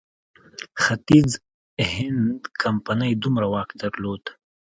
ختیځ هند کمپنۍ دومره واک درلود.